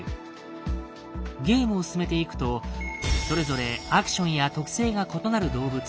ゲームを進めていくとそれぞれアクションや特性が異なる動物